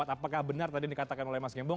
apakah benar tadi yang dikatakan oleh mas gembong